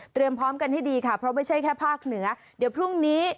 พร้อมกันให้ดีค่ะเพราะไม่ใช่แค่ภาคเหนือเดี๋ยวพรุ่งนี้